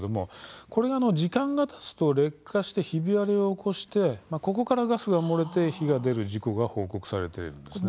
これが時間がたつと劣化してひび割れを起こして、ここからガスが漏れて火が出る事故が報告されているんですね。